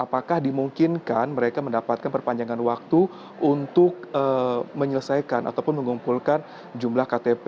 apakah dimungkinkan mereka mendapatkan perpanjangan waktu untuk menyelesaikan ataupun mengumpulkan jumlah ktp yang berjumlah lima ratus tiga puluh dua ini